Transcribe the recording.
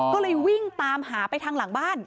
ก็เลยวิ่งตามหาไปทางหลังบ้าน